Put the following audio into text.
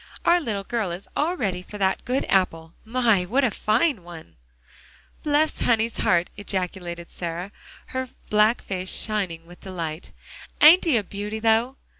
"Our little girl is all ready for that good apple. My! what a fine one." "Bless honey's heart!" ejaculated Sarah, her black face shining with delight. "Ain't he a beauty, though?"